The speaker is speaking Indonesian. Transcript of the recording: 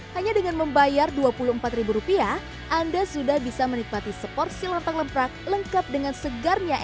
hanya dengan membayar dua puluh empat rupiah anda sudah bisa menikmati seporsi lontong lemprak lengkap dengan segarnya